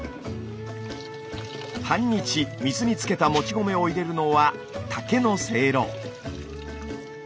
半日水につけたもち米を入れるのは竹のせいろ。